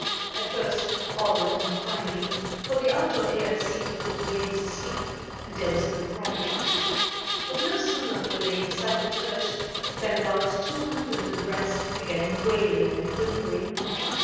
At first, all went on finely, for the outdoor air seemed to put the babies asleep and there was no crying. But no sooner were they inside the church, than about two hundred of the brats began wailing and whimpering.